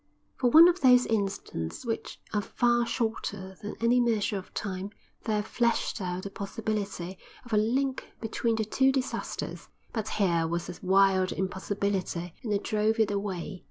For one of those instants which are far shorter than any measure of time there flashed out the possibility of a link between the two disasters. But here was a wild impossibility, and I drove it away.